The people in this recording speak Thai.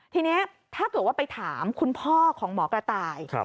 ทีนี้ถ้าเกิดว่าไปถามคุณพ่อของหมอกระต่าย